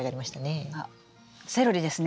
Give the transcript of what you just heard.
あセロリですね？